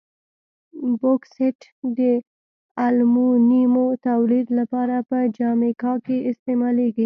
بوکسیت د المونیمو تولید لپاره په جامیکا کې استعمالیږي.